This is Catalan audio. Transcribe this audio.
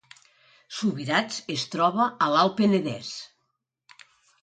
Subirats es troba a l’Alt Penedès